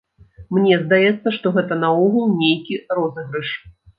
Мне здаецца, што гэта наогул нейкі розыгрыш!